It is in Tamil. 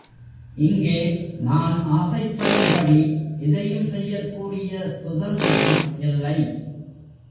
இங்கே நான் ஆசைப்படும்படி எதையும் செய்யக்கூடிய சுதந்திரம் இல்லை.